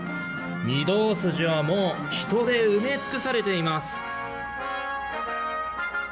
御堂筋はもう人で埋め尽くされています。